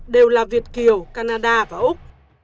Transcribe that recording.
đều là việt kiều canada và úc